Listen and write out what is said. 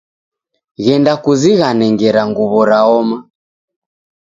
Ghenda kuzighane ngera nguw'o raoma